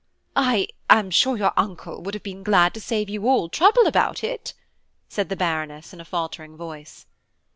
"I am sure your uncle would have been glad to save you all trouble about it," said the Baroness in a faltering voice.